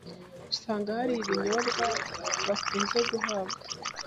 usanga hari ibinyobwa bakunze guhabwa